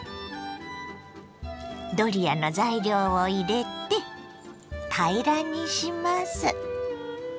ドリアの材料を入れて平らにします。